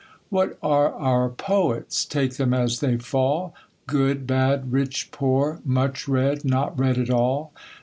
What are our poets, take them as they fall, Good, bad, rich, poor, much read, not read at all?